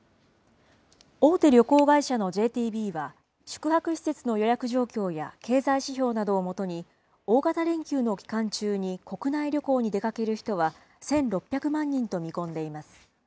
大手旅行会社のＪＴＢは、宿泊施設の予約状況や経済指標などをもとに、大型連休の期間中に国内旅行に出かける人は１６００万人と見込んでいます。